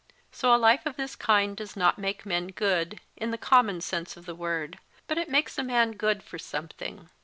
So a life of this kind does not make men good, in the common sense of the word. But it makes a man good for something.